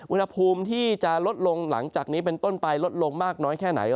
อุณหภูมิที่จะลดลงหลังจากนี้เป็นต้นไปลดลงมากน้อยแค่ไหน